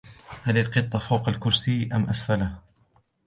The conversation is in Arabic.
هل القطة فوق الكرسي أم أسفله ؟